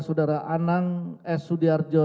saudara anang s sudiarjo